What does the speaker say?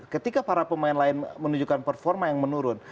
ketika para pemain lain menunjukkan performa yang menurun